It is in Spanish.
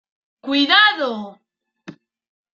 ¡Cuidado!